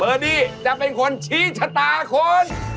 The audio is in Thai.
เมื่อนี้จะเป็นคนชีชะตาคน